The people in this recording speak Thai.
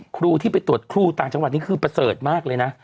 ครูที่ไปตรวจครูต่างจังหวัดนี้คือประเสริฐมากเลยนะ